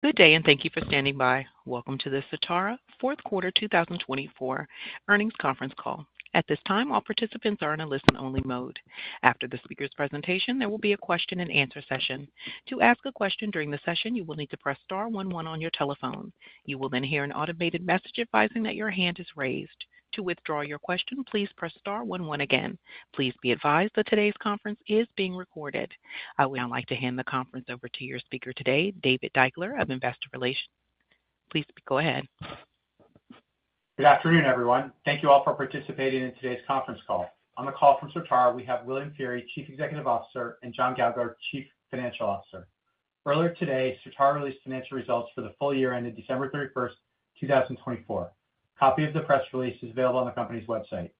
Good day and thank you for standing by. Welcome to the Certara fourth quarter 2024 earnings conference call. At this time, all participants are in a listen-only mode. After the speaker's presentation, there will be a question-and-answer session. To ask a question during the session, you will need to press star 11 on your telephone. You will then hear an automated message advising that your hand is raised. To withdraw your question, please press star 11 again. Please be advised that today's conference is being recorded. I would now like to hand the conference over to your speaker today, David Deuchler of Investor Relations. Please go ahead. Good afternoon, everyone. Thank you all for participating in today's conference call. On the call from Certara, we have William Feehery, Chief Executive Officer, and John Gallagher, Chief Financial Officer. Earlier today, Certara released financial results for the full year ended December 31st, 2024. A copy of the press release is available on the company's website.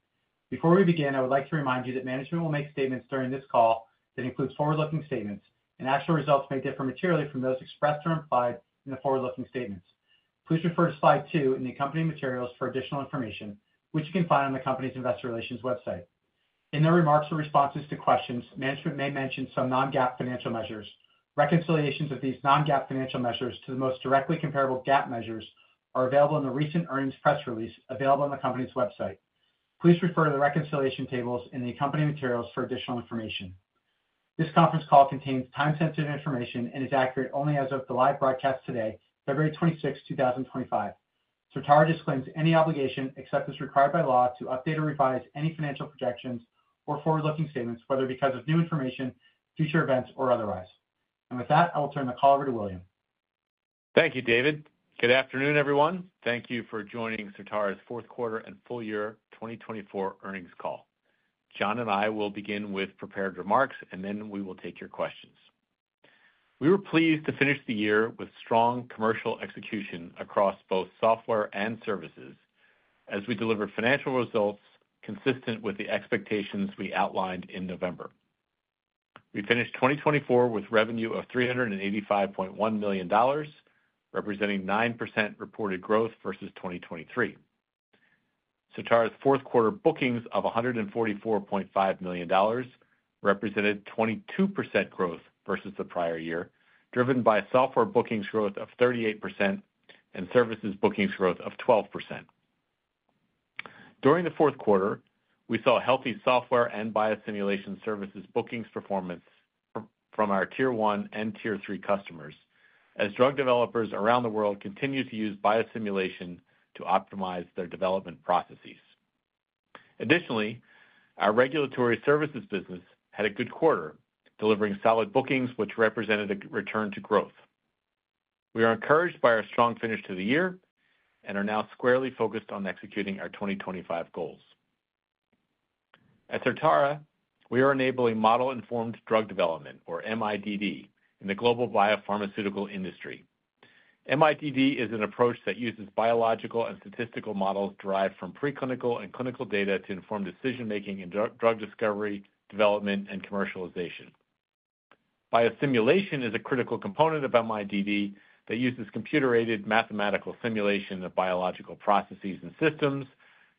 Before we begin, I would like to remind you that management will make statements during this call that include forward-looking statements, and actual results may differ materially from those expressed or implied in the forward-looking statements. Please refer to slide two in the accompanying materials for additional information, which you can find on the company's Investor Relations website. In their remarks or responses to questions, management may mention some non-GAAP financial measures. Reconciliations of these non-GAAP financial measures to the most directly comparable GAAP measures are available in the recent earnings press release available on the company's website. Please refer to the reconciliation tables in the accompanying materials for additional information. This conference call contains time-sensitive information and is accurate only as of the live broadcast today, February 26, 2025. Certara disclaims any obligation except as required by law to update or revise any financial projections or forward-looking statements, whether because of new information, future events, or otherwise. And with that, I will turn the call over to William. Thank you, David. Good afternoon, everyone. Thank you for joining Certara's fourth quarter and full year 2024 earnings call. John and I will begin with prepared remarks, and then we will take your questions. We were pleased to finish the year with strong commercial execution across both software and services as we delivered financial results consistent with the expectations we outlined in November. We finished 2024 with revenue of $385.1 million, representing 9% reported growth versus 2023. Certara's fourth quarter bookings of $144.5 million represented 22% growth versus the prior year, driven by software bookings growth of 38% and services bookings growth of 12%. During the fourth quarter, we saw healthy software and biosimulation services bookings performance from our Tier 1 and Tier 3 customers as drug developers around the world continue to use biosimulation to optimize their development processes. Additionally, our regulatory services business had a good quarter, delivering solid bookings, which represented a return to growth. We are encouraged by our strong finish to the year and are now squarely focused on executing our 2025 goals. At Certara, we are enabling model-informed drug development, or MIDD, in the global biopharmaceutical industry. MIDD is an approach that uses biological and statistical models derived from preclinical and clinical data to inform decision-making in drug discovery, development, and commercialization. Biosimulation is a critical component of MIDD that uses computer-aided mathematical simulation of biological processes and systems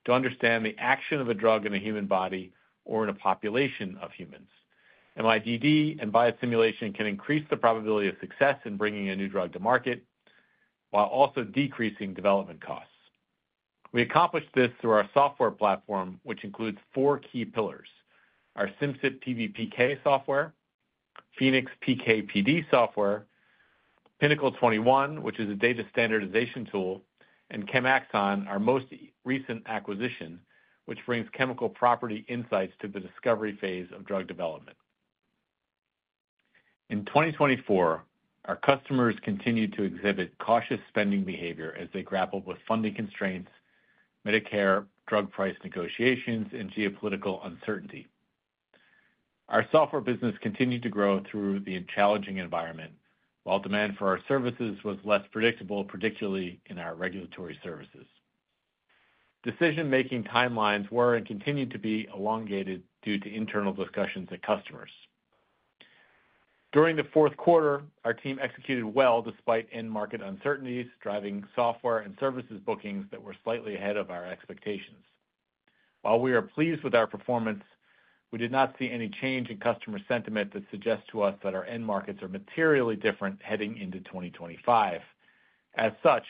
to understand the action of a drug in a human body or in a population of humans. MIDD and biosimulation can increase the probability of success in bringing a new drug to market while also decreasing development costs. We accomplished this through our software platform, which includes four key pillars: our Simcyp PBPK software, Phoenix PK/PD software, Pinnacle 21, which is a data standardization tool, and ChemAxon, our most recent acquisition, which brings chemical property insights to the discovery phase of drug development. In 2024, our customers continued to exhibit cautious spending behavior as they grappled with funding constraints, Medicare, drug price negotiations, and geopolitical uncertainty. Our software business continued to grow through the challenging environment while demand for our services was less predictable, particularly in our regulatory services. Decision-making timelines were and continue to be elongated due to internal discussions at customers. During the fourth quarter, our team executed well despite end-market uncertainties, driving software and services bookings that were slightly ahead of our expectations. While we are pleased with our performance, we did not see any change in customer sentiment that suggests to us that our end markets are materially different heading into 2025. As such,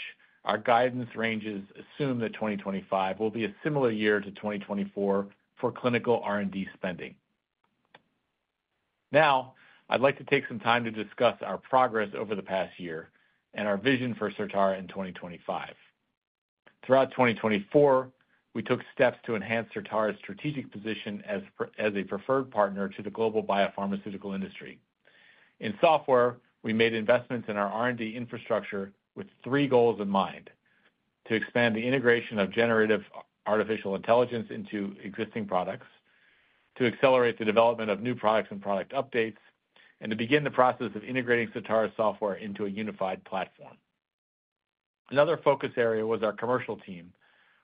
our guidance ranges assume that 2025 will be a similar year to 2024 for clinical R&D spending. Now, I'd like to take some time to discuss our progress over the past year and our vision for Certara in 2025. Throughout 2024, we took steps to enhance Certara's strategic position as a preferred partner to the global biopharmaceutical industry. In software, we made investments in our R&D infrastructure with three goals in mind: to expand the integration of generative artificial intelligence into existing products, to accelerate the development of new products and product updates, and to begin the process of integrating Certara's software into a unified platform. Another focus area was our commercial team,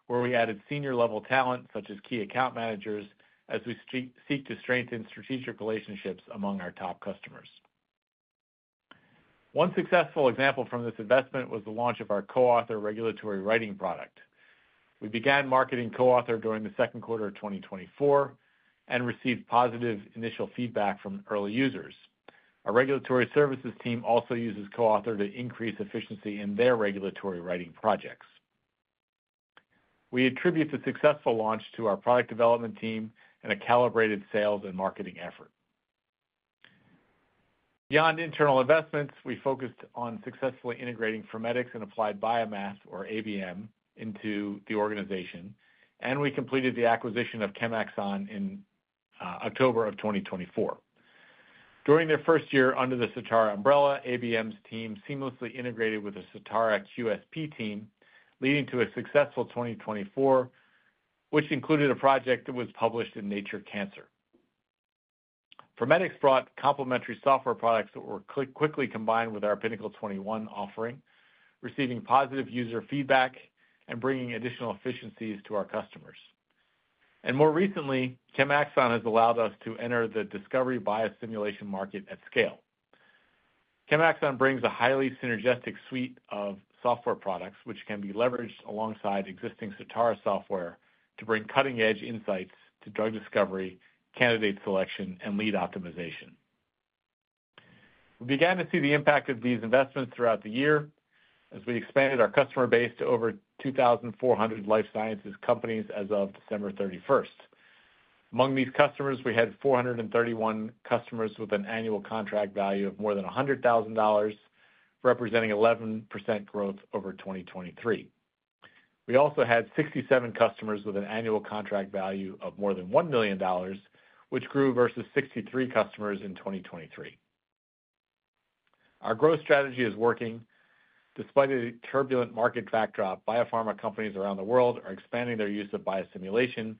where we added senior-level talent such as key account managers as we seek to strengthen strategic relationships among our top customers. One successful example from this investment was the launch of our Co-Author regulatory writing product. We began marketing Co-Author during the second quarter of 2024 and received positive initial feedback from early users. Our regulatory services team also uses Co-Author to increase efficiency in their regulatory writing projects. We attribute the successful launch to our product development team and a calibrated sales and marketing effort. Beyond internal investments, we focused on successfully integrating Formedix and Applied BioMath, or ABM, into the organization, and we completed the acquisition of ChemAxon in October of 2024. During their first year under the Certara umbrella, ABM's team seamlessly integrated with the Certara QSP team, leading to a successful 2024, which included a project that was published in Nature Cancer. Formedix brought complementary software products that were quickly combined with our Pinnacle 21 offering, receiving positive user feedback and bringing additional efficiencies to our customers. And more recently, ChemAxon has allowed us to enter the discovery biosimulation market at scale. ChemAxon brings a highly synergistic suite of software products, which can be leveraged alongside existing Certara software to bring cutting-edge insights to drug discovery, candidate selection, and lead optimization. We began to see the impact of these investments throughout the year as we expanded our customer base to over 2,400 life sciences companies as of December 31st. Among these customers, we had 431 customers with an annual contract value of more than $100,000, representing 11% growth over 2023. We also had 67 customers with an annual contract value of more than $1 million, which grew versus 63 customers in 2023. Our growth strategy is working. Despite a turbulent market backdrop, biopharma companies around the world are expanding their use of biosimulation,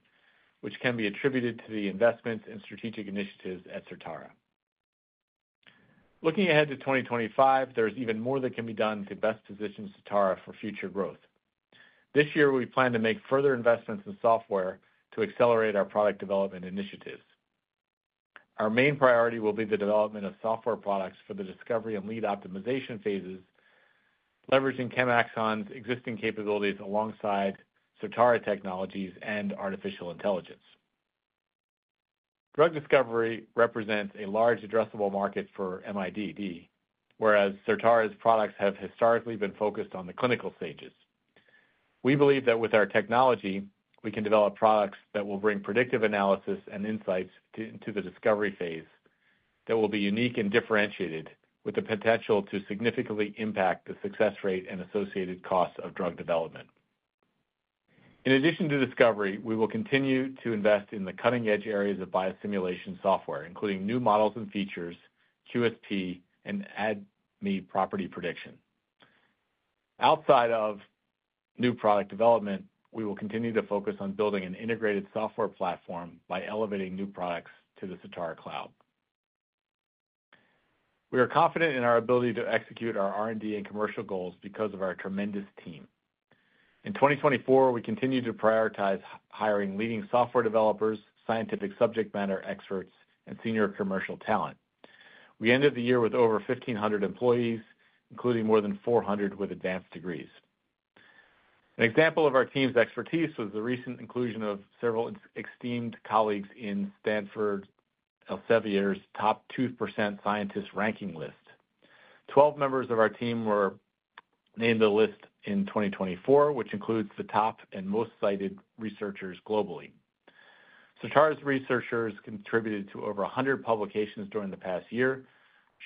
which can be attributed to the investments and strategic initiatives at Certara. Looking ahead to 2025, there is even more that can be done to best position Certara for future growth. This year, we plan to make further investments in software to accelerate our product development initiatives. Our main priority will be the development of software products for the discovery and lead optimization phases, leveraging ChemAxon's existing capabilities alongside Certara technologies and artificial intelligence. Drug discovery represents a large addressable market for MIDD, whereas Certara's products have historically been focused on the clinical stages. We believe that with our technology, we can develop products that will bring predictive analysis and insights into the discovery phase that will be unique and differentiated, with the potential to significantly impact the success rate and associated costs of drug development. In addition to discovery, we will continue to invest in the cutting-edge areas of biosimulation software, including new models and features, QSP, and ADME property prediction. Outside of new product development, we will continue to focus on building an integrated software platform by elevating new products to the Certara Cloud. We are confident in our ability to execute our R&D and commercial goals because of our tremendous team. In 2024, we continue to prioritize hiring leading software developers, scientific subject matter experts, and senior commercial talent. We ended the year with over 1,500 employees, including more than 400 with advanced degrees. An example of our team's expertise was the recent inclusion of several esteemed colleagues in Stanford Elsevier's top 2% scientists list. Twelve members of our team were named to the list in 2024, which includes the top and most cited researchers globally. Certara's researchers contributed to over 100 publications during the past year,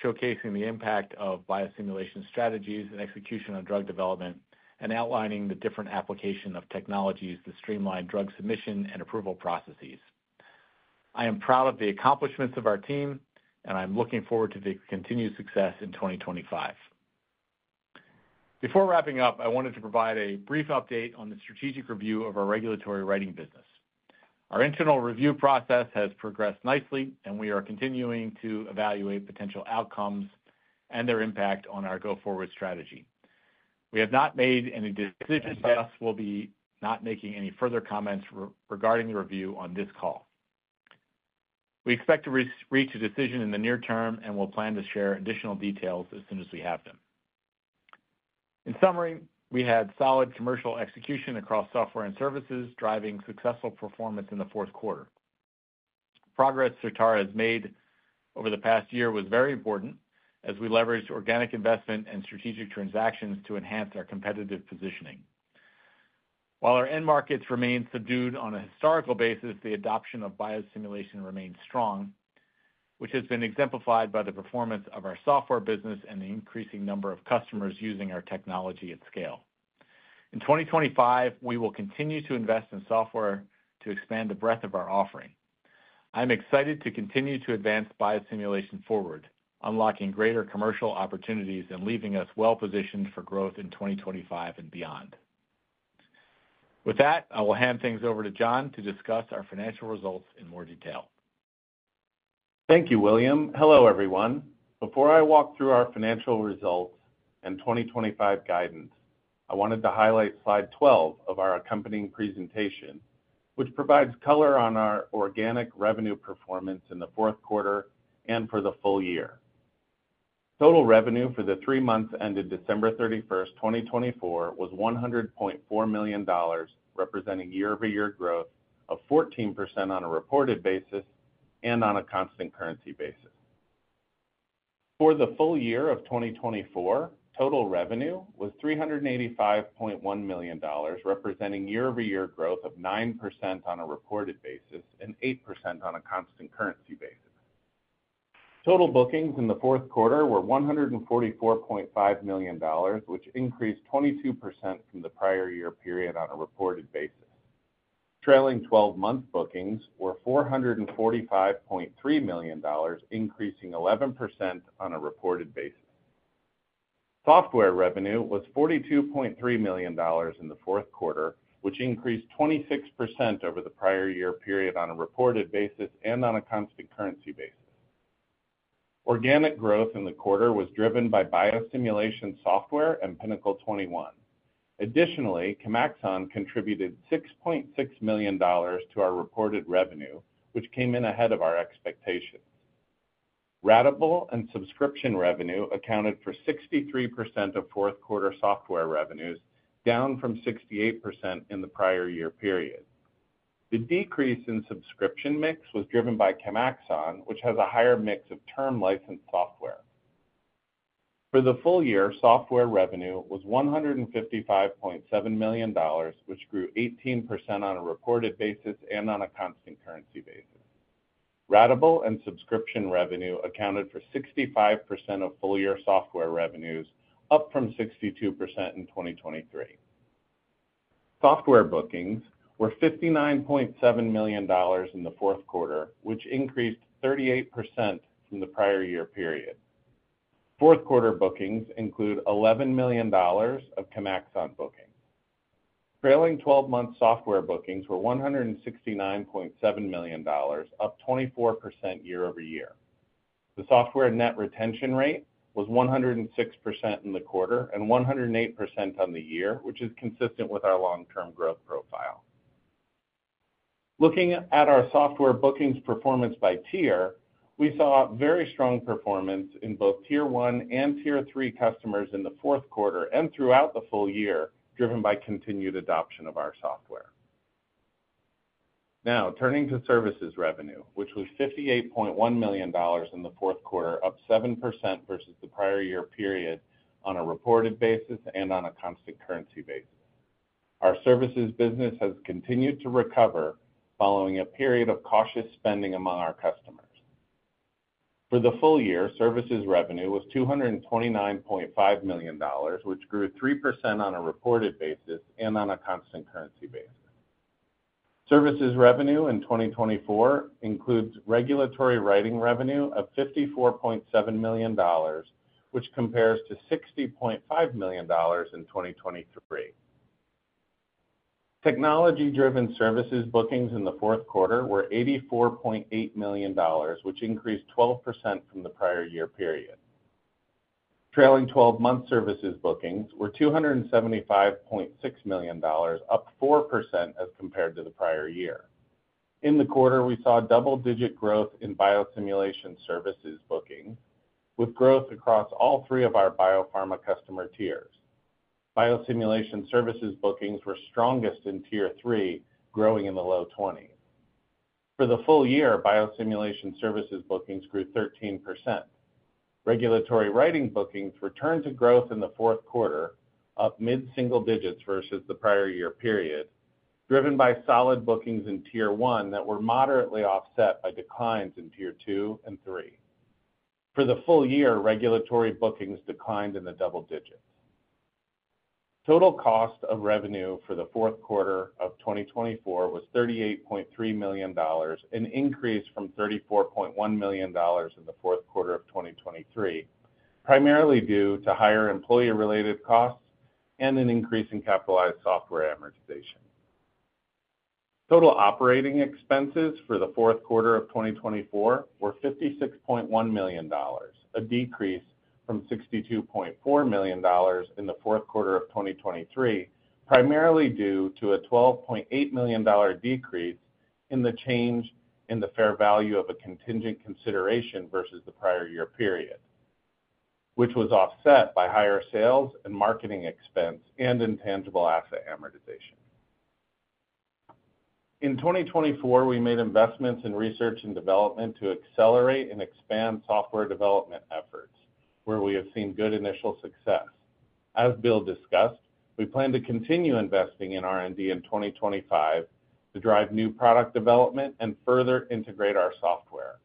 showcasing the impact of biosimulation strategies and execution on drug development and outlining the different applications of technologies to streamline drug submission and approval processes. I am proud of the accomplishments of our team, and I'm looking forward to the continued success in 2025. Before wrapping up, I wanted to provide a brief update on the strategic review of our regulatory writing business. Our internal review process has progressed nicely, and we are continuing to evaluate potential outcomes and their impact on our go-forward strategy. We have not made any decisions, and thus will be not making any further comments regarding the review on this call. We expect to reach a decision in the near term and will plan to share additional details as soon as we have them. In summary, we had solid commercial execution across software and services, driving successful performance in the fourth quarter. Progress Certara has made over the past year was very important as we leveraged organic investment and strategic transactions to enhance our competitive positioning. While our end markets remain subdued on a historical basis, the adoption of biosimulation remains strong, which has been exemplified by the performance of our software business and the increasing number of customers using our technology at scale. In 2025, we will continue to invest in software to expand the breadth of our offering. I'm excited to continue to advance biosimulation forward, unlocking greater commercial opportunities and leaving us well-positioned for growth in 2025 and beyond. With that, I will hand things over to John to discuss our financial results in more detail. Thank you, William. Hello, everyone. Before I walk through our financial results and 2025 guidance, I wanted to highlight Slide 12 of our accompanying presentation, which provides color on our organic revenue performance in the fourth quarter and for the full year. Total revenue for the three months ended December 31st, 2024, was $100.4 million, representing year-over-year growth of 14% on a reported basis and on a constant currency basis. For the full year of 2024, total revenue was $385.1 million, representing year-over-year growth of 9% on a reported basis and 8% on a constant currency basis. Total bookings in the fourth quarter were $144.5 million, which increased 22% from the prior year period on a reported basis. Trailing 12-month bookings were $445.3 million, increasing 11% on a reported basis. Software revenue was $42.3 million in the fourth quarter, which increased 26% over the prior year period on a reported basis and on a constant currency basis. Organic growth in the quarter was driven by biosimulation software and Pinnacle 21. Additionally, ChemAxon contributed $6.6 million to our reported revenue, which came in ahead of our expectations. Ratable and subscription revenue accounted for 63% of fourth-quarter software revenues, down from 68% in the prior year period. The decrease in subscription mix was driven by ChemAxon, which has a higher mix of term licensed software. For the full year, software revenue was $155.7 million, which grew 18% on a reported basis and on a constant currency basis. Ratable and subscription revenue accounted for 65% of full-year software revenues, up from 62% in 2023. Software bookings were $59.7 million in the fourth quarter, which increased 38% from the prior year period. Fourth-quarter bookings include $11 million of ChemAxon bookings. Trailing 12-month software bookings were $169.7 million, up 24% year-over-year. The software net retention rate was 106% in the quarter and 108% on the year, which is consistent with our long-term growth profile. Looking at our software bookings performance by tier, we saw very strong performance in both Tier 1 and Tier 3 customers in the fourth quarter and throughout the full year, driven by continued adoption of our software. Now, turning to services revenue, which was $58.1 million in the fourth quarter, up 7% versus the prior year period on a reported basis and on a constant currency basis. Our services business has continued to recover following a period of cautious spending among our customers. For the full year, services revenue was $229.5 million, which grew 3% on a reported basis and on a constant currency basis. Services revenue in 2024 includes regulatory writing revenue of $54.7 million, which compares to $60.5 million in 2023. Technology-driven services bookings in the fourth quarter were $84.8 million, which increased 12% from the prior year period. Trailing 12-month services bookings were $275.6 million, up 4% as compared to the prior year. In the quarter, we saw double-digit growth in biosimulation services bookings, with growth across all three of our biopharma customer tiers. Biosimulation services bookings were strongest in Tier 3, growing in the low 20s. For the full year, biosimulation services bookings grew 13%. Regulatory writing bookings returned to growth in the fourth quarter, up mid-single digits versus the prior year period, driven by solid bookings in Tier 1 that were moderately offset by declines in Tier 2 and three. For the full year, regulatory bookings declined in the double digits. Total cost of revenue for the fourth quarter of 2024 was $38.3 million, an increase from $34.1 million in the fourth quarter of 2023, primarily due to higher employee-related costs and an increase in capitalized software amortization. Total operating expenses for the fourth quarter of 2024 were $56.1 million, a decrease from $62.4 million in the fourth quarter of 2023, primarily due to a $12.8 million decrease in the change in the fair value of a contingent consideration versus the prior year period, which was offset by higher sales and marketing expense and intangible asset amortization. In 2024, we made investments in research and development to accelerate and expand software development efforts, where we have seen good initial success. As Bill discussed, we plan to continue investing in R&D in 2025 to drive new product development and further integrate our software.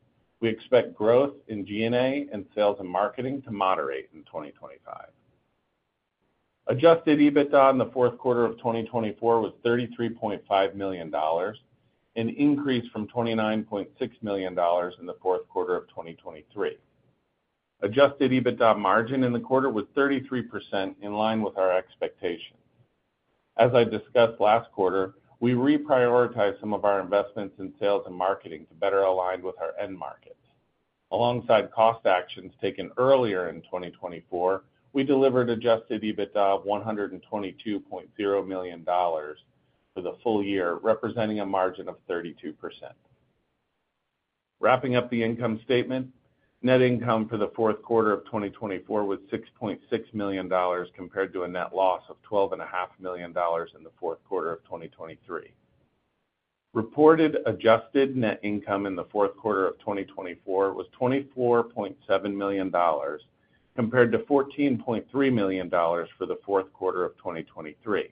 We expect growth in G&A and sales and marketing to moderate in 2025. Adjusted EBITDA in the fourth quarter of 2024 was $33.5 million, an increase from $29.6 million in the fourth quarter of 2023. Adjusted EBITDA margin in the quarter was 33%, in line with our expectations. As I discussed last quarter, we reprioritized some of our investments in sales and marketing to better align with our end markets. Alongside cost actions taken earlier in 2024, we delivered adjusted EBITDA of $122.0 million for the full year, representing a margin of 32%. Wrapping up the income statement, net income for the fourth quarter of 2024 was $6.6 million compared to a net loss of $12.5 million in the fourth quarter of 2023. Reported adjusted net income in the fourth quarter of 2024 was $24.7 million, compared to $14.3 million for the fourth quarter of 2023.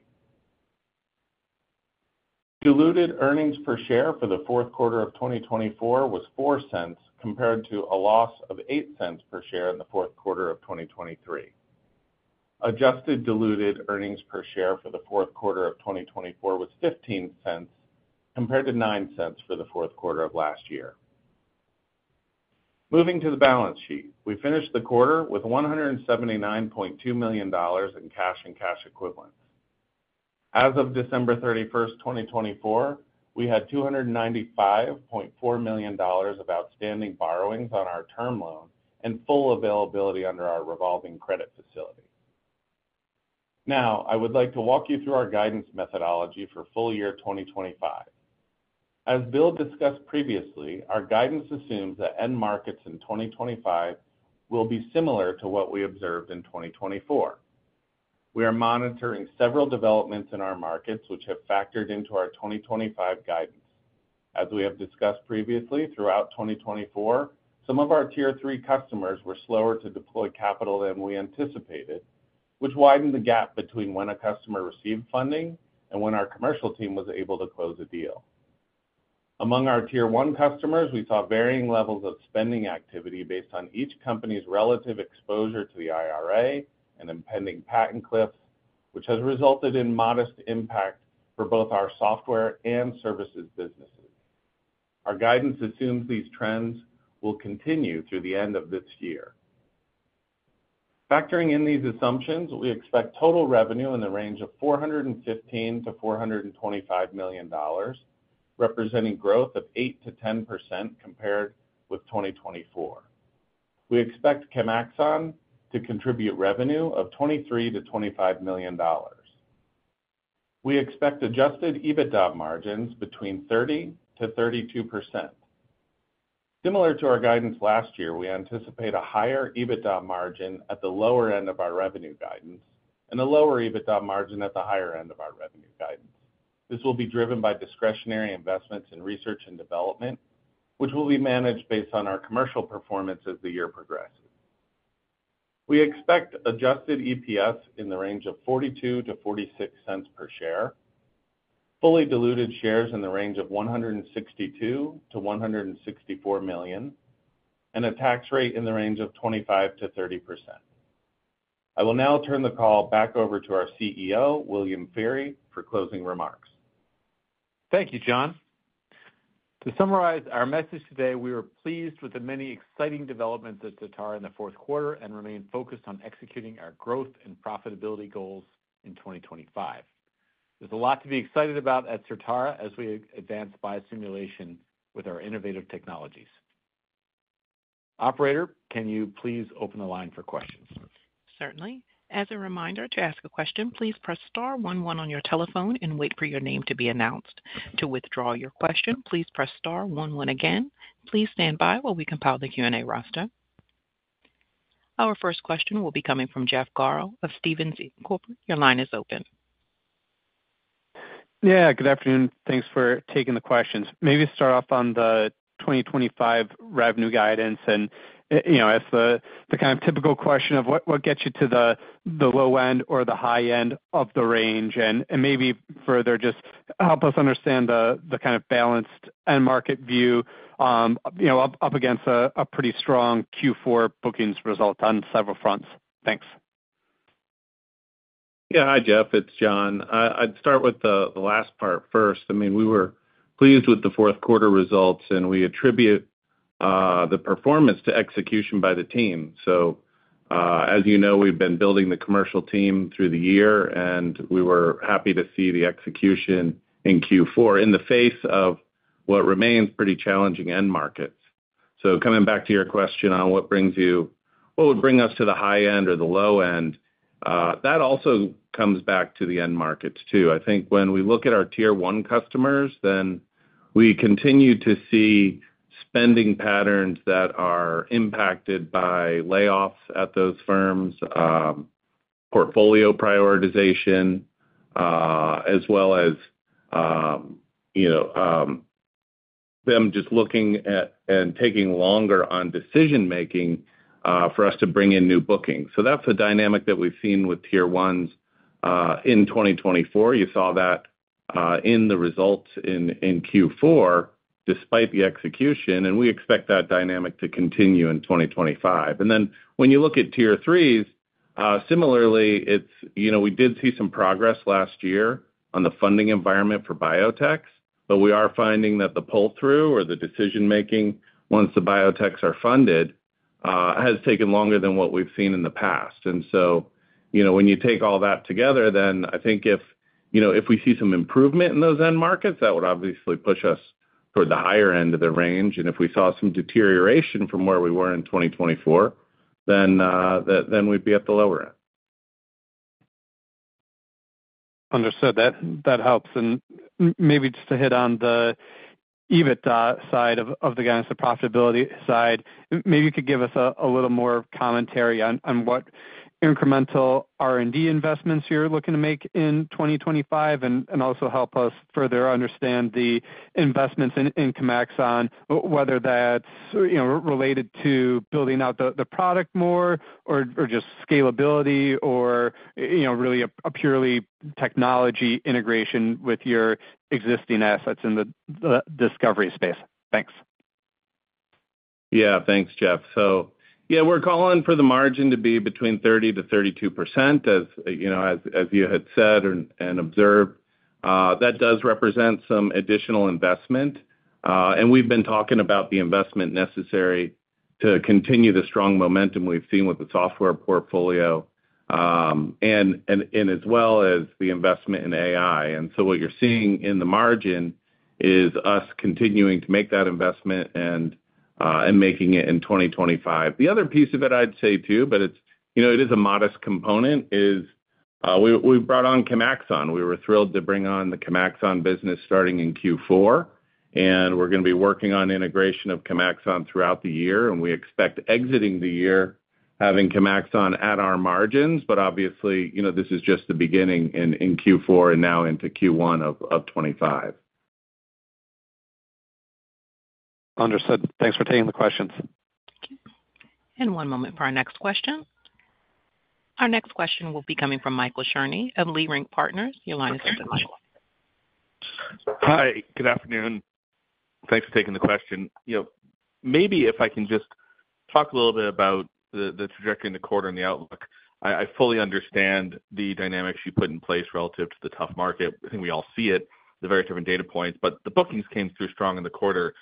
Diluted Earnings Per Share for the fourth quarter of 2024 was $0.04, compared to a loss of $0.08 per share in the fourth quarter of 2023. Adjusted Diluted Earnings Per Share for the fourth quarter of 2024 was $0.15, compared to $0.09 for the fourth quarter of last year. Moving to the balance sheet, we finished the quarter with $179.2 million in cash and cash equivalents. As of December 31st, 2024, we had $295.4 million of outstanding borrowings on our term loan and full availability under our revolving credit facility. Now, I would like to walk you through our guidance methodology for full year 2025. As Bill discussed previously, our guidance assumes that end markets in 2025 will be similar to what we observed in 2024. We are monitoring several developments in our markets, which have factored into our 2025 guidance. As we have discussed previously, throughout 2024, some of our Tier 3 customers were slower to deploy capital than we anticipated, which widened the gap between when a customer received funding and when our commercial team was able to close a deal. Among our Tier 1 customers, we saw varying levels of spending activity based on each company's relative exposure to the IRA and impending patent cliffs, which has resulted in modest impact for both our software and services businesses. Our guidance assumes these trends will continue through the end of this year. Factoring in these assumptions, we expect total revenue in the range of $415-$425 million, representing growth of 8%-10% compared with 2024. We expect ChemAxon to contribute revenue of $23-$25 million. We expect Adjusted EBITDA margins between 30%-32%. Similar to our guidance last year, we anticipate a higher EBITDA margin at the lower end of our revenue guidance and a lower EBITDA margin at the higher end of our revenue guidance. This will be driven by discretionary investments in research and development, which will be managed based on our commercial performance as the year progresses. We expect adjusted EPS in the range of $0.42-$0.46 per share, fully diluted shares in the range of 162-164 million, and a tax rate in the range of 25%-30%. I will now turn the call back over to our CEO, William Feehery, for closing remarks. Thank you, John. To summarize our message today, we are pleased with the many exciting developments at Certara in the fourth quarter and remain focused on executing our growth and profitability goals in 2025. There's a lot to be excited about at Certara as we advance biosimulation with our innovative technologies. Operator, can you please open the line for questions? Certainly. As a reminder, to ask a question, please press star 11 on your telephone and wait for your name to be announced. To withdraw your question, please press star 11 again. Please stand by while we compile the Q&A roster. Our first question will be coming from Jeff Garro of Stephens Inc. Your line is open. Yeah, good afternoon. Thanks for taking the questions. Maybe start off on the 2025 revenue guidance and, you know, as the kind of typical question of what gets you to the low end or the high end of the range and maybe further just help us understand the kind of balanced end market view up against a pretty strong Q4 bookings result on several fronts. Thanks. Yeah, hi, Jeff. It's John. I'd start with the last part first. I mean, we were pleased with the fourth quarter results, and we attribute the performance to execution by the team. So, as you know, we've been building the commercial team through the year, and we were happy to see the execution in Q4 in the face of what remains pretty challenging end markets. So, coming back to your question on what brings you, what would bring us to the high end or the low end, that also comes back to the end markets too. I think when we look at our Tier 1 customers, then we continue to see spending patterns that are impacted by layoffs at those firms, portfolio prioritization, as well as, you know, them just looking at and taking longer on decision-making for us to bring in new bookings. So, that's the dynamic that we've seen with Tier 1s in 2024. You saw that in the results in Q4, despite the execution, and we expect that dynamic to continue in 2025. And then, when you look at Tier 3s, similarly, it's, you know, we did see some progress last year on the funding environment for biotechs, but we are finding that the pull-through or the decision-making once the biotechs are funded has taken longer than what we've seen in the past. And so, you know, when you take all that together, then I think if, you know, if we see some improvement in those end markets, that would obviously push us toward the higher end of the range. And if we saw some deterioration from where we were in 2024, then we'd be at the lower end. Understood. That helps. And maybe just to hit on the EBITDA side of the guidance, the profitability side, maybe you could give us a little more commentary on what incremental R&D investments you're looking to make in 2025 and also help us further understand the investments in ChemAxon, whether that's, you know, related to building out the product more or just scalability or, you know, really a purely technology integration with your existing assets in the discovery space. Thanks. Yeah, thanks, Jeff. So, yeah, we're calling for the margin to be between 30%-32%, as you know, as you had said and observed. That does represent some additional investment. And we've been talking about the investment necessary to continue the strong momentum we've seen with the software portfolio and as well as the investment in AI. And so, what you're seeing in the margin is us continuing to make that investment and making it in 2025. The other piece of it, I'd say too, but it's, you know, it is a modest component, is we brought on ChemAxon. We were thrilled to bring on the ChemAxon business starting in Q4, and we're going to be working on integration of ChemAxon throughout the year. We expect exiting the year having ChemAxon at our margins, but obviously, you know, this is just the beginning in Q4 and now into Q1 of 2025. Understood. Thanks for taking the questions. Thank you. And one moment for our next question. Our next question will be coming from Michael Cherny of Leerink Partners. Your line is open now. Hi, good afternoon. Thanks for taking the question. You know, maybe if I can just talk a little bit about the trajectory in the quarter and the outlook. I fully understand the dynamics you put in place relative to the tough market. I think we all see it, the very different data points, but the bookings came through strong in the quarter.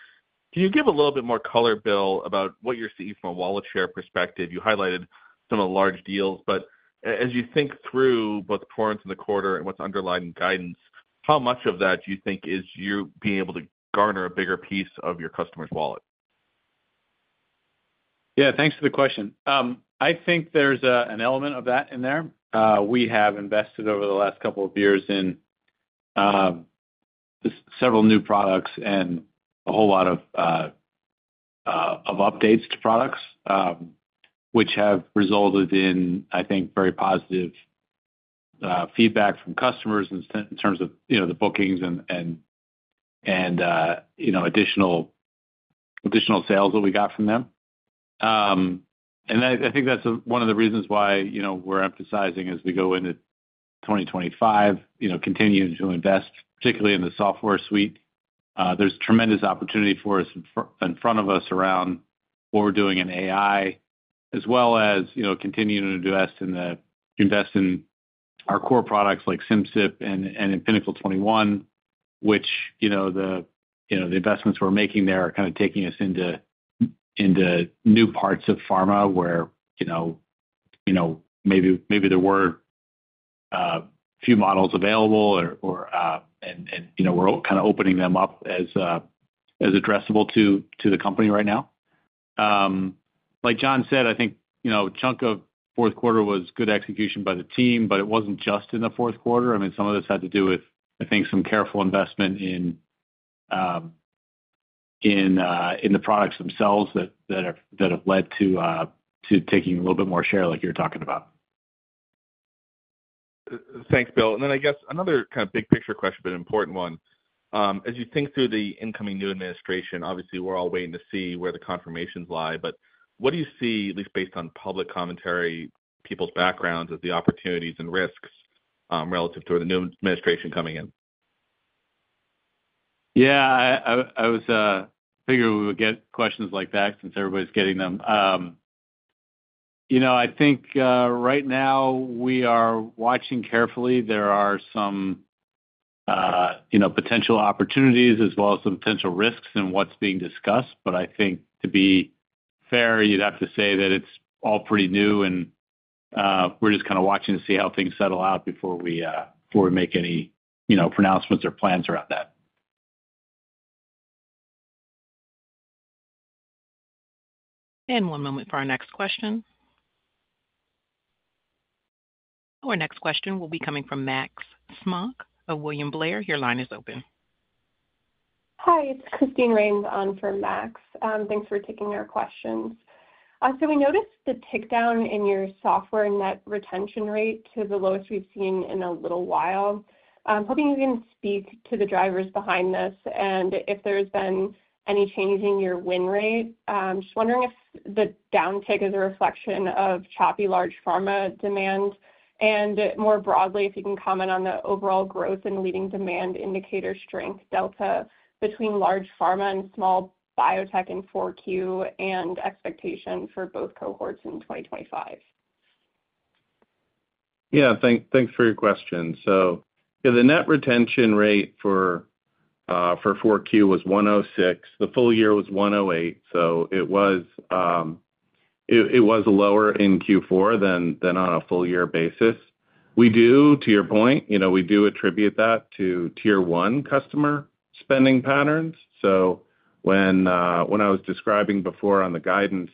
Can you give a little bit more color, Bill, about what you're seeing from a wallet share perspective? You highlighted some of the large deals, but as you think through both performance in the quarter and what's underlying guidance, how much of that do you think is you being able to garner a bigger piece of your customer's wallet? Yeah, thanks for the question. I think there's an element of that in there. We have invested over the last couple of years in several new products and a whole lot of updates to products, which have resulted in, I think, very positive feedback from customers in terms of, you know, the bookings and, you know, additional sales that we got from them, and I think that's one of the reasons why, you know, we're emphasizing as we go into 2025, you know, continuing to invest, particularly in the software suite. There's tremendous opportunity for us in front of us around what we're doing in AI, as well as, you know, continuing to invest in our core products like Simcyp and in Pinnacle 21, which, you know, the investments we're making there are kind of taking us into new parts of pharma where, you know, maybe there were a few models available or, and, you know, we're kind of opening them up as addressable to the company right now. Like John said, I think, you know, a chunk of fourth quarter was good execution by the team, but it wasn't just in the fourth quarter. I mean, some of this had to do with, I think, some careful investment in the products themselves that have led to taking a little bit more share like you're talking about. Thanks, Bill. And then I guess another kind of big picture question, but an important one. As you think through the incoming new administration, obviously, we're all waiting to see where the confirmations lie, but what do you see, at least based on public commentary, people's backgrounds as the opportunities and risks relative to the new administration coming in? Yeah, I figured we would get questions like that since everybody's getting them. You know, I think right now we are watching carefully. There are some, you know, potential opportunities as well as some potential risks in what's being discussed. But I think to be fair, you'd have to say that it's all pretty new, and we're just kind of watching to see how things settle out before we make any, you know, pronouncements or plans around that. And one moment for our next question. Our next question will be coming from Max Smock of William Blair. Your line is open. Hi, it's Christine Rains on for Max. Thanks for taking our questions. So we noticed the tick down in your software net retention rate to the lowest we've seen in a little while. Hoping you can speak to the drivers behind this and if there's been any change in your win rate. Just wondering if the downtick is a reflection of choppy large pharma demand. And more broadly, if you can comment on the overall growth and leading demand indicator strength delta between large pharma and small biotech in 4Q and expectation for both cohorts in 2025. Yeah, thanks for your question. So, yeah, the net retention rate for 4Q was 106%. The full year was 108%. So it was lower in Q4 than on a full year basis. We do, to your point, you know, we do attribute that to Tier 1 customer spending patterns. So when I was describing before on the guidance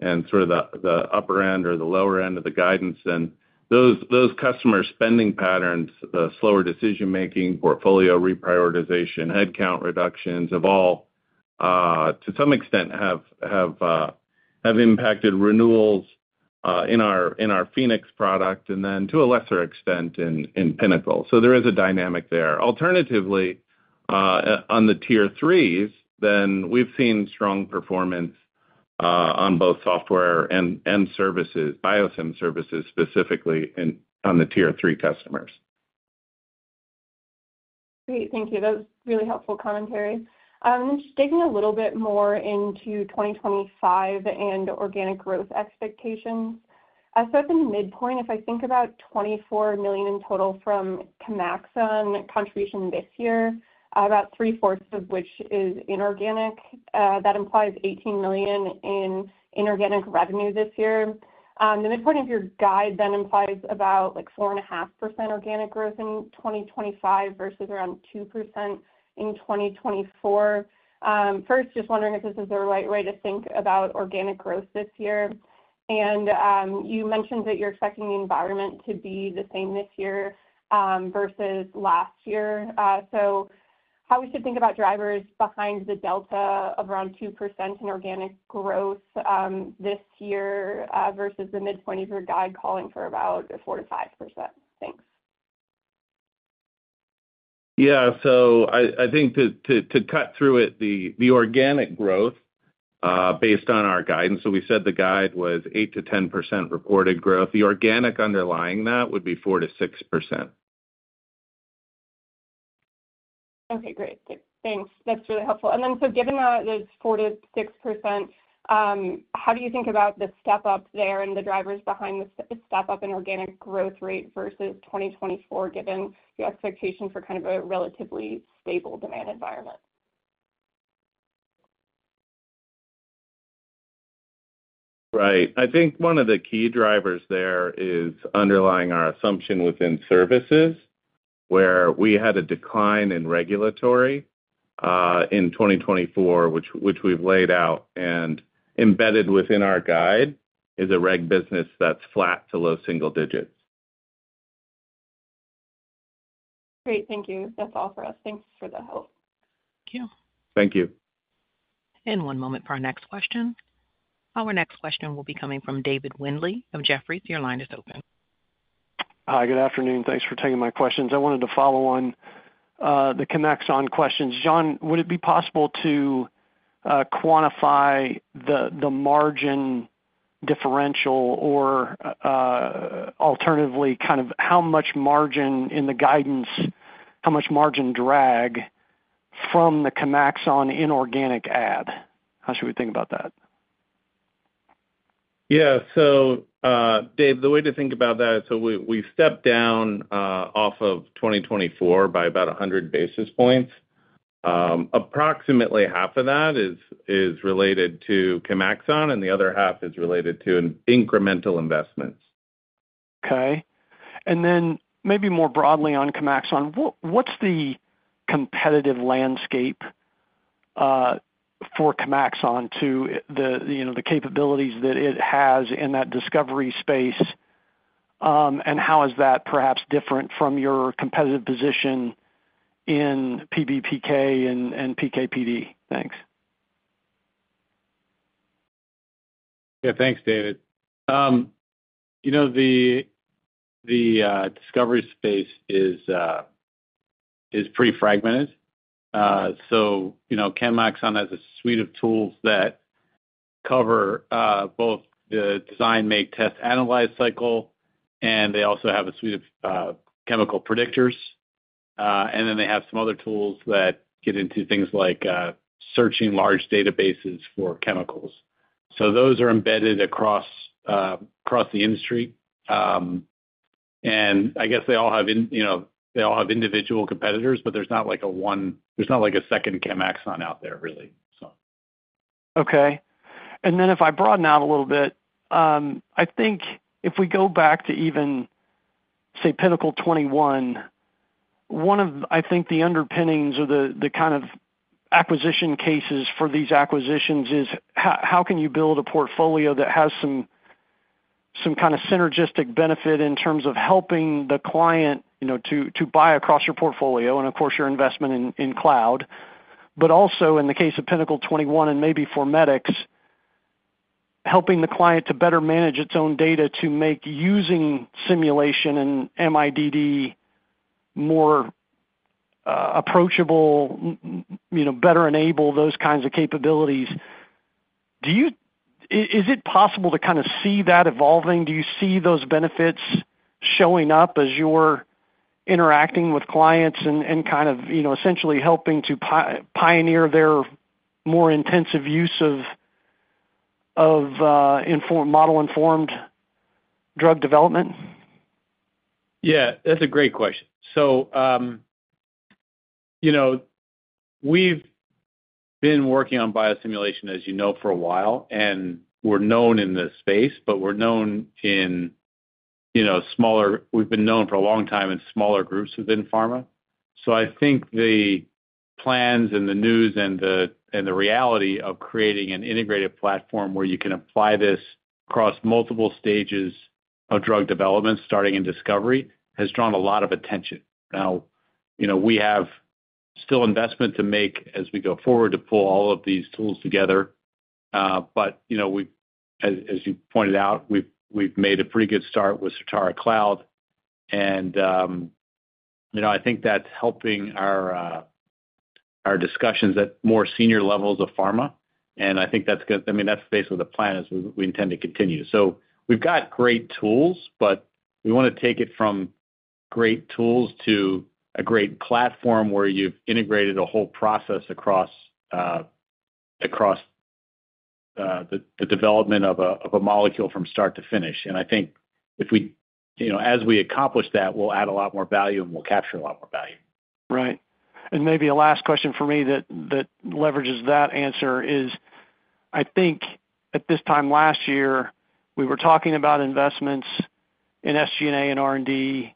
and sort of the upper end or the lower end of the guidance, then those customer spending patterns, the slower decision-making, portfolio reprioritization, headcount reductions have all, to some extent, impacted renewals in our Phoenix product and then to a lesser extent in Pinnacle. So there is a dynamic there. Alternatively, on the Tier 3s, then we've seen strong performance on both software and services, Biosim services specifically on the Tier 3 customers. Great. Thank you. That was really helpful commentary. And then just digging a little bit more into 2025 and organic growth expectations. So at the midpoint, if I think about $24 million in total from ChemAxon contribution this year, about three-fourths of which is inorganic, that implies $18 million in inorganic revenue this year. The midpoint of your guide then implies about like 4.5% organic growth in 2025 versus around 2% in 2024. First, just wondering if this is the right way to think about organic growth this year. And you mentioned that you're expecting the environment to be the same this year versus last year. So how we should think about drivers behind the delta of around 2% in organic growth this year versus the midpoint of your guide calling for about 4%-5%. Thanks. Yeah, so I think to cut through it, the organic growth based on our guidance, so we said the guide was 8%-10% reported growth. The organic underlying that would be 4%-6%. Okay, great. Thanks. That's really helpful. And then so given that it's 4%-6%, how do you think about the step up there and the drivers behind the step up in organic growth rate versus 2024 given the expectation for kind of a relatively stable demand environment? Right. I think one of the key drivers there is underlying our assumption within services, where we had a decline in regulatory in 2024, which we've laid out and embedded within our guide, is a reg business that's flat to low single digits. Great. Thank you. That's all for us. Thanks for the help. Thank you. Thank you. One moment for our next question. Our next question will be coming from David Windley of Jefferies. Your line is open. Hi, good afternoon. Thanks for taking my questions. I wanted to follow on the ChemAxon questions. John, would it be possible to quantify the margin differential or alternatively kind of how much margin in the guidance, how much margin drag from the ChemAxon inorganic add? How should we think about that? Yeah. So, Dave, the way to think about that, so we stepped down off of 2024 by about 100 basis points. Approximately half of that is related to ChemAxon, and the other half is related to incremental investments. Okay. And then maybe more broadly on ChemAxon, what's the competitive landscape for ChemAxon to the capabilities that it has in that discovery space, and how is that perhaps different from your competitive position in PBPK and PK/PD? Thanks. Yeah, thanks, David. You know, the discovery space is pretty fragmented. So, you know, ChemAxon has a suite of tools that cover both the design, make, test, analyze cycle, and they also have a suite of chemical predictors. And then they have some other tools that get into things like searching large databases for chemicals. So those are embedded across the industry. And I guess they all have, you know, they all have individual competitors, but there's not like a one, there's not like a second ChemAxon out there really, so. Okay. And then if I broaden out a little bit, I think if we go back to even, say, Pinnacle 21, one of, I think, the underpinnings or the kind of acquisition cases for these acquisitions is how can you build a portfolio that has some kind of synergistic benefit in terms of helping the client, you know, to buy across your portfolio and, of course, your investment in cloud. But also in the case of Pinnacle 21 and maybe for Formedix, helping the client to better manage its own data to make using simulation and MIDD more approachable, you know, better enable those kinds of capabilities. Do you, is it possible to kind of see that evolving? Do you see those benefits showing up as you're interacting with clients and kind of, you know, essentially helping to pioneer their more intensive use of model-informed drug development? Yeah, that's a great question. So, you know, we've been working on biosimulation, as you know, for a while, and we're known in this space, but we're known in, you know, smaller, we've been known for a long time in smaller groups within pharma. So I think the plans and the news and the reality of creating an integrated platform where you can apply this across multiple stages of drug development starting in discovery has drawn a lot of attention. Now, you know, we have still investment to make as we go forward to pull all of these tools together. But, you know, as you pointed out, we've made a pretty good start with Certara Cloud. And, you know, I think that's helping our discussions at more senior levels of pharma. And I think that's going to, I mean, that's basically the plan is we intend to continue. So we've got great tools, but we want to take it from great tools to a great platform where you've integrated a whole process across the development of a molecule from start to finish. And I think if we, you know, as we accomplish that, we'll add a lot more value and we'll capture a lot more value. Right, and maybe a last question for me that leverages that answer is, I think at this time last year, we were talking about investments in SG&A and R&D,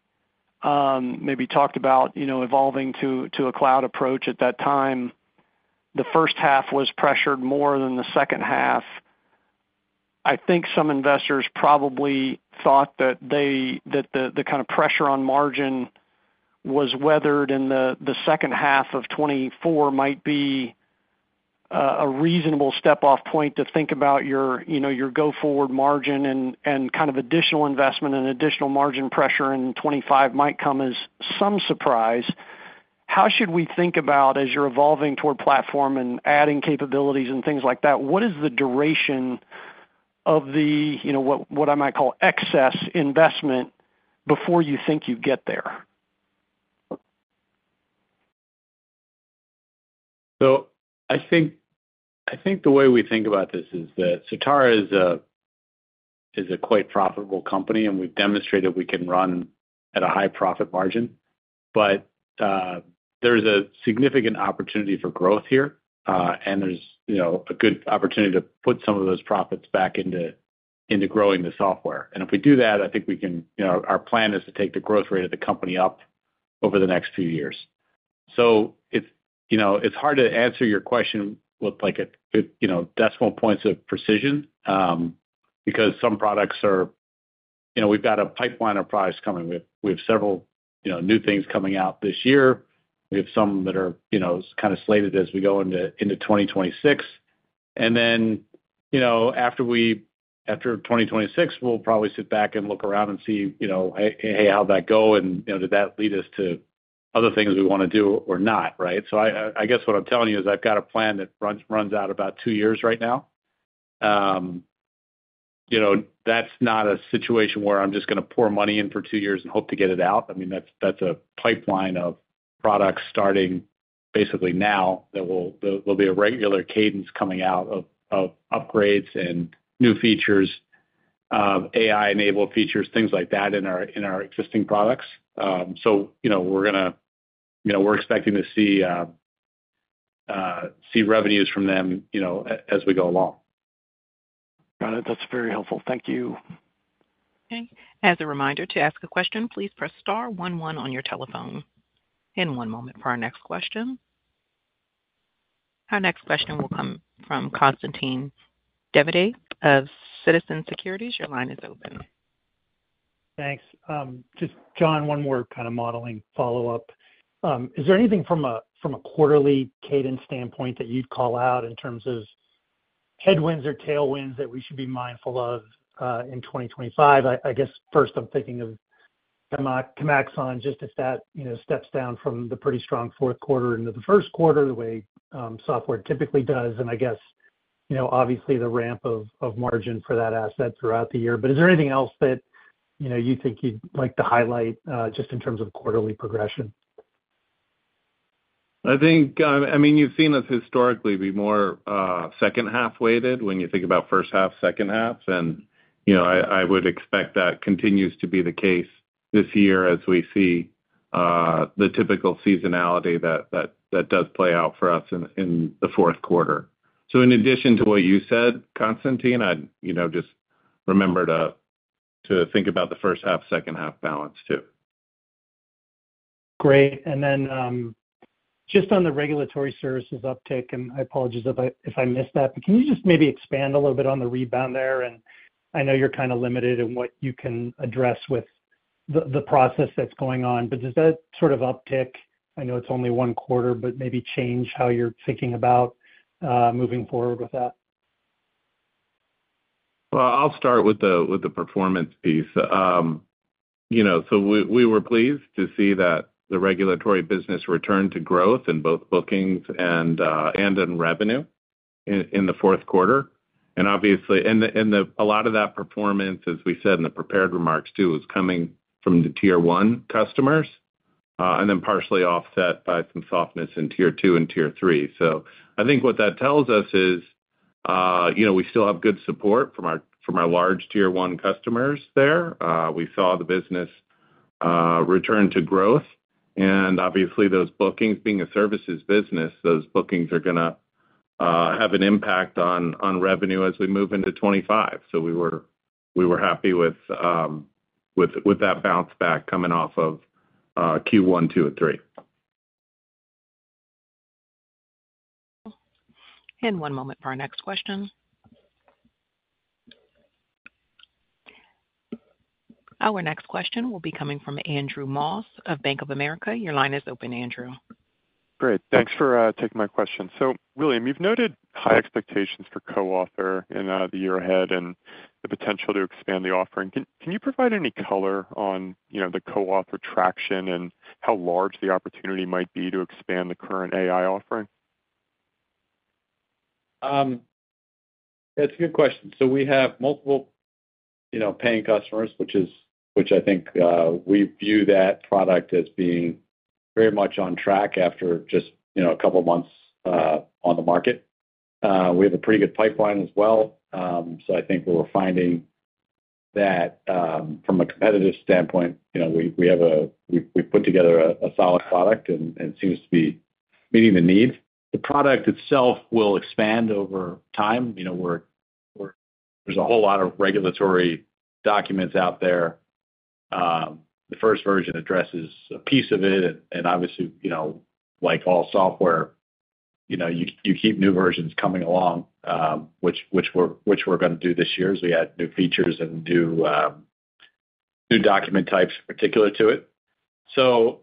maybe talked about, you know, evolving to a cloud approach at that time. The first half was pressured more than the second half. I think some investors probably thought that the kind of pressure on margin was weathered in the second half of 2024 might be a reasonable step-off point to think about your, you know, your go-forward margin and kind of additional investment and additional margin pressure in 2025 might come as some surprise. How should we think about as you're evolving toward platform and adding capabilities and things like that? What is the duration of the, you know, what I might call excess investment before you think you get there? I think the way we think about this is that Certara is a quite profitable company, and we've demonstrated we can run at a high profit margin. But there's a significant opportunity for growth here, and there's, you know, a good opportunity to put some of those profits back into growing the software. And if we do that, I think we can, you know, our plan is to take the growth rate of the company up over the next few years. It's, you know, hard to answer your question with like a, you know, decimal points of precision because some products are, you know, we've got a pipeline of products coming. We have several, you know, new things coming out this year. We have some that are, you know, kind of slated as we go into 2026. And then, you know, after 2026, we'll probably sit back and look around and see, you know, hey, how'd that go? And, you know, did that lead us to other things we want to do or not, right? So I guess what I'm telling you is I've got a plan that runs out about two years right now. You know, that's not a situation where I'm just going to pour money in for two years and hope to get it out. I mean, that's a pipeline of products starting basically now that will be a regular cadence coming out of upgrades and new features, AI-enabled features, things like that in our existing products. So, you know, we're going to, you know, we're expecting to see revenues from them, you know, as we go along. Got it. That's very helpful. Thank you. Okay. As a reminder, to ask a question, please press star 11 on your telephone. And one moment for our next question. Our next question will come from Constantine Davides of Citizens JMP. Your line is open. Thanks. Just, John, one more kind of modeling follow-up. Is there anything from a quarterly cadence standpoint that you'd call out in terms of headwinds or tailwinds that we should be mindful of in 2025? I guess first I'm thinking of ChemAxon just if that, you know, steps down from the pretty strong fourth quarter into the first quarter the way software typically does. And I guess, you know, obviously the ramp of margin for that asset throughout the year. But is there anything else that, you know, you think you'd like to highlight just in terms of quarterly progression? I think, I mean, you've seen us historically be more second-half weighted when you think about first-half, second-half, and you know, I would expect that continues to be the case this year as we see the typical seasonality that does play out for us in the fourth quarter, so in addition to what you said, Constantine, I'd, you know, just remember to think about the first-half, second-half balance too. Great. And then just on the regulatory services uptake, and I apologize if I missed that, but can you just maybe expand a little bit on the rebound there? And I know you're kind of limited in what you can address with the process that's going on, but does that sort of uptick, I know it's only one quarter, but maybe change how you're thinking about moving forward with that? I'll start with the performance piece. You know, so we were pleased to see that the regulatory business returned to growth in both bookings and in revenue in the fourth quarter. And obviously, a lot of that performance, as we said in the prepared remarks too, was coming from the Tier 1 customers and then partially offset by some softness in Tier 2 and Tier 3. So I think what that tells us is, you know, we still have good support from our large Tier 1 customers there. We saw the business return to growth. And obviously, those bookings, being a services business, those bookings are going to have an impact on revenue as we move into 2025. So we were happy with that bounce back coming off of Q1, Q2, and Q3. One moment for our next question. Our next question will be coming from Andrew Mok of Bank of America. Your line is open, Andrew. Great. Thanks for taking my question. So William, you've noted high expectations for Co-Author in the year ahead and the potential to expand the offering. Can you provide any color on, you know, the Co-Author traction and how large the opportunity might be to expand the current AI offering? That's a good question. So we have multiple, you know, paying customers, which is, which I think we view that product as being very much on track after just, you know, a couple of months on the market. We have a pretty good pipeline as well. So I think we're finding that from a competitive standpoint, you know, we have a, we've put together a solid product and it seems to be meeting the need. The product itself will expand over time. You know, there's a whole lot of regulatory documents out there. The first version addresses a piece of it. And obviously, you know, like all software, you know, you keep new versions coming along, which we're going to do this year as we add new features and new document types particular to it. So,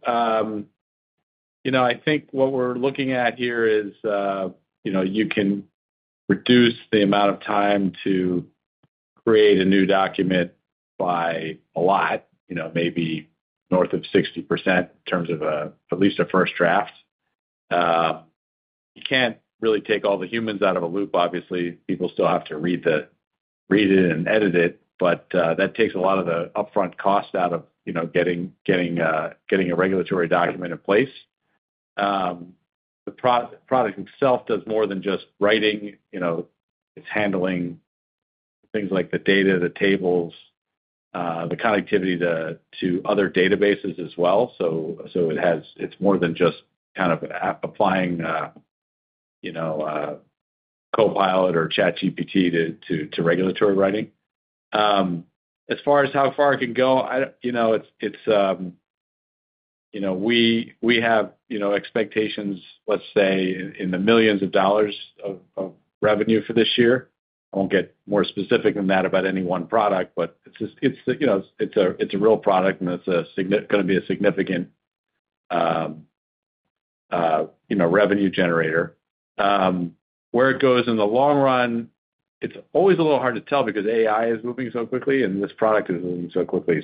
you know, I think what we're looking at here is, you know, you can reduce the amount of time to create a new document by a lot, you know, maybe north of 60% in terms of at least a first draft. You can't really take all the humans out of a loop, obviously. People still have to read it and edit it, but that takes a lot of the upfront cost out of, you know, getting a regulatory document in place. The product itself does more than just writing. You know, it's handling things like the data, the tables, the connectivity to other databases as well. So it has, it's more than just kind of applying, you know, Copilot or ChatGPT to regulatory writing. As far as how far it can go, you know, it's, you know, we have, you know, expectations, let's say, in the millions of dollars of revenue for this year. I won't get more specific than that about any one product, but it's a, you know, it's a real product and it's going to be a significant, you know, revenue generator. Where it goes in the long run, it's always a little hard to tell because AI is moving so quickly and this product is moving so quickly.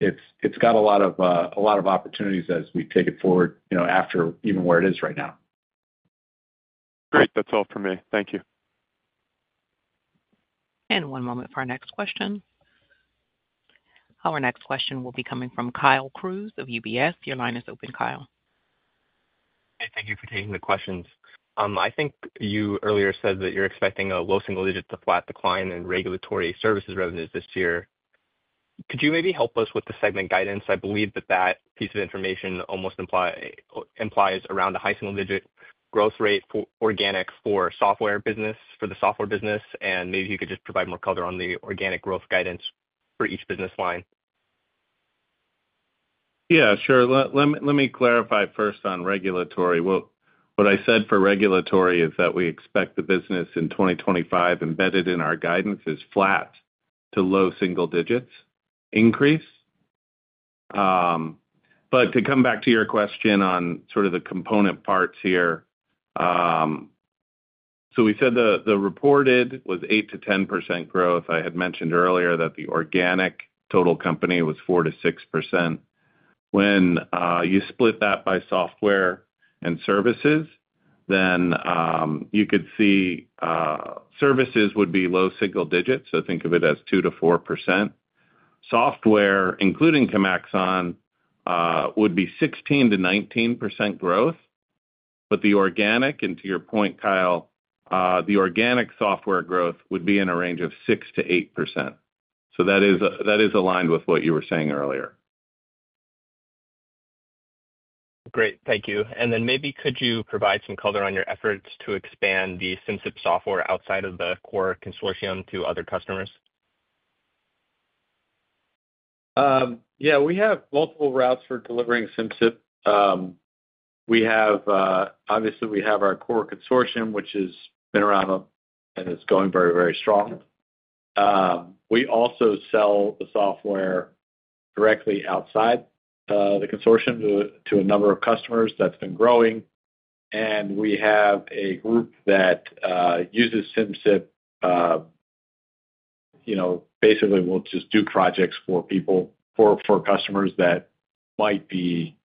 It's got a lot of opportunities as we take it forward, you know, after even where it is right now. Great. That's all for me. Thank you. One moment for our next question. Our next question will be coming Karl Crews of UBS. Your line is open, Kyle. Hey, thank you for taking the questions. I think you earlier said that you're expecting a low single digit to flat decline in regulatory services revenues this year. Could you maybe help us with the segment guidance? I believe that that piece of information almost implies around a high single digit growth rate for organic for software business, for the software business. And maybe you could just provide more color on the organic growth guidance for each business line. Yeah, sure. Let me clarify first on regulatory. What I said for regulatory is that we expect the business in 2025 embedded in our guidance is flat to low single digits increase. But to come back to your question on sort of the component parts here, so we said the reported was 8-10% growth. I had mentioned earlier that the organic total company was 4-6%. When you split that by software and services, then you could see services would be low single digits. So think of it as 2-4%. Software, including ChemAxon, would be 16-19% growth. But the organic, and to your point, Kyle, the organic software growth would be in a range of 6-8%. So that is aligned with what you were saying earlier. Great. Thank you. And then maybe could you provide some color on your efforts to expand the Simcyp software outside of the core consortium to other customers? Yeah, we have multiple routes for delivering Simcyp. We have, obviously, we have our core consortium, which has been around and is going very, very strong. We also sell the software directly outside the consortium to a number of customers that's been growing. And we have a group that uses Simcyp, you know, basically will just do projects for people, for customers that might be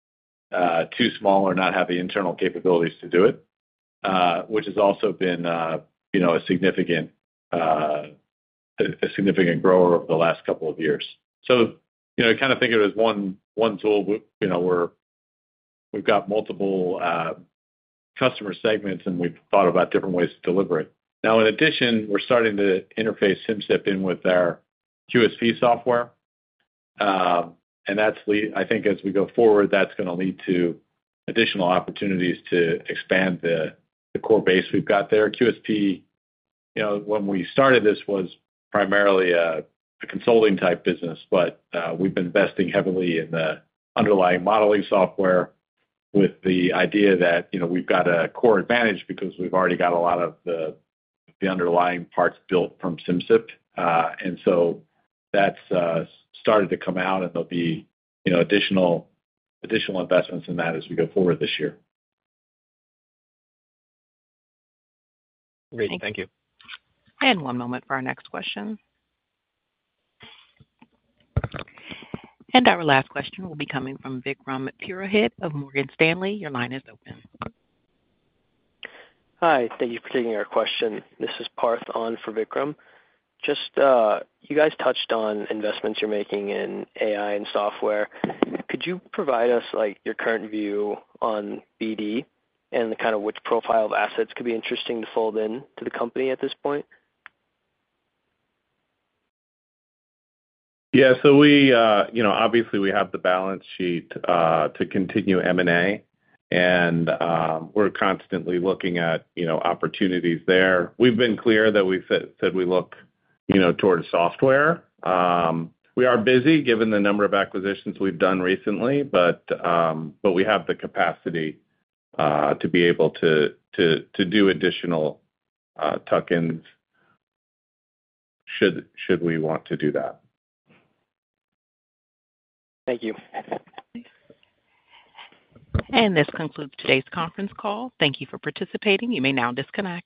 too small or not have the internal capabilities to do it, which has also been, you know, a significant grower over the last couple of years. So, you know, kind of think of it as one tool, you know, we've got multiple customer segments and we've thought about different ways to deliver it. Now, in addition, we're starting to interface Simcyp in with our QSP software. And that's, I think as we go forward, that's going to lead to additional opportunities to expand the core base we've got there. QSP, you know, when we started this was primarily a consulting type business, but we've been investing heavily in the underlying modeling software with the idea that, you know, we've got a core advantage because we've already got a lot of the underlying parts built from Simcyp. And so that's started to come out and there'll be, you know, additional investments in that as we go forward this year. Great. Thank you. And one moment for our next question. And our last question will be coming from Vikram Purohit of Morgan Stanley. Your line is open. Hi. Thank you for taking our question. This is Parth on for Vikram. Just, you guys touched on investments you're making in AI and software. Could you provide us like your current view on BD and the kind of which profile of assets could be interesting to fold into the company at this point? Yeah. So we, you know, obviously we have the balance sheet to continue M&A and we're constantly looking at, you know, opportunities there. We've been clear that we said we look, you know, towards software. We are busy given the number of acquisitions we've done recently, but we have the capacity to be able to do additional tuck-ins should we want to do that. Thank you. This concludes today's conference call. Thank you for participating. You may now disconnect.